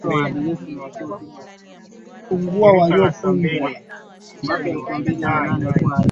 na kuchangia ukuaji wa vitu vya kigeni Kwa